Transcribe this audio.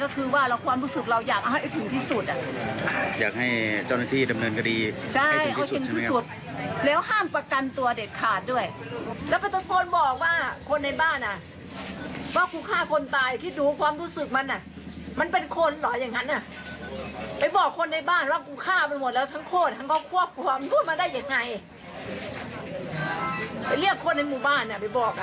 ไปเรียกคนในหมู่บ้านอ่ะไปบอก